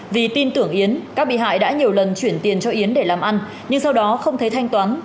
vì tin tưởng yến các bị hại đã nhiều lần chuyển tiền cho yến để làm ăn nhưng sau đó không thấy thanh toán